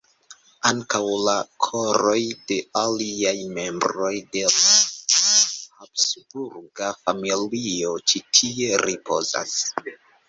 Ankaŭ la koroj de aliaj membroj de la habsburga familio ĉi tie ripozas.